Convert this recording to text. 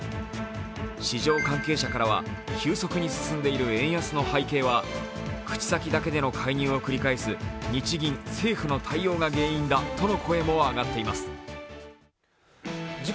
市場関係者からは急速に進んでいる円安の背景は口先だけでの介入を繰り返す日銀、政府の対応が原因だとの声も上がっています。